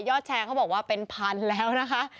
แชร์เขาบอกว่าเป็นพันแล้วนะคะ